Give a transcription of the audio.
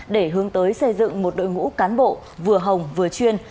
để hướng tới xây dựng một đội ngũ cán bộ vừa hồng vừa chuyên